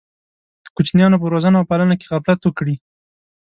د کوچنیانو په روزنه او پالنه کې غفلت وکړي.